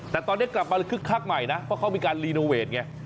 แต่ตอนนี้กลับมาคึกคักใหม่นะเพราะเขามีการรีโนเวทไง